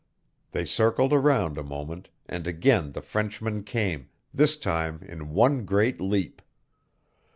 They circled around a moment and again the Frenchman came, this time in one great leap.